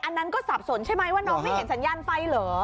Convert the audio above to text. อันนั้นก็สับสนใช่ไหมว่าน้องไม่เห็นสัญญาณไฟเหรอ